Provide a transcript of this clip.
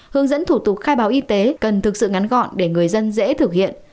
hướng dẫn thủ tục khai báo y tế cần thực sự ngắn gọn để người dân dễ thực hiện